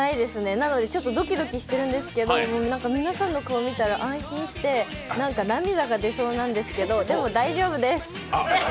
なので、ちょっとドキドキしているんですけど、皆さんの顔見たら安心して、涙が出そうなんですけどでも大丈夫です。